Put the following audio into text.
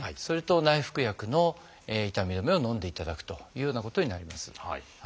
それと内服薬の痛み止めをのんでいただくというようなことになります。